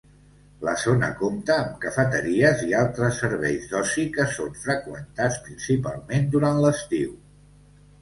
La zona compta amb cafeteries i altres serveis d'oci que són freqüentats principalment durant l'estiu.